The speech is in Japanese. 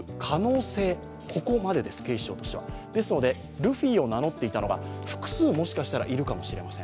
ルフィを名乗っていたのが、もしかしたら複数いるかもしれません。